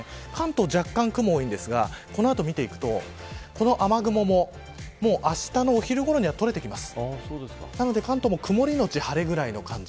関東、若干雲が多いんですがこの後見ていくとこの雨雲、あしたのお昼ごろには取れていきます。